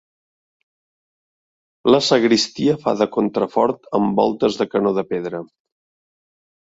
La sagristia fa de contrafort amb voltes de canó de pedra.